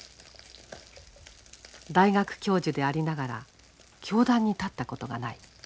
大学教授でありながら教壇に立ったことがない。